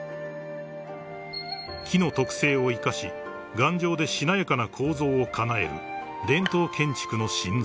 ［木の特性を生かし頑丈でしなやかな構造をかなえる伝統建築の神髄］